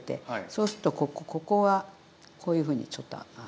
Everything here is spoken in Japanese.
そうするとここはこういうふうにちょっと。